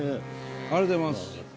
ありがとうございます。